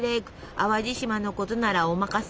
淡路島のことならお任せ。